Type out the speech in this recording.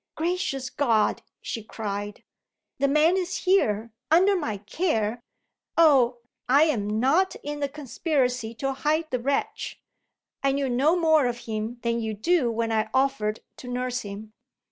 "Gracious God!" she cried, "the man is here under my care. Oh, I am not in the conspiracy to hide the wretch! I knew no more of him than you do when I offered to nurse him.